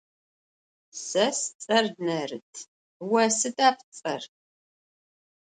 Se sts'er Nerıt, vo sıda pts'er?